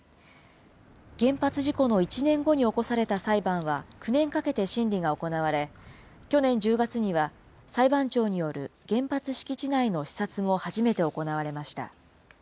原発事故の１年後に起こされた裁判は９年かけて審理が行われ、去年１０月には裁判長による原発敷地内の視察も初めて行われました。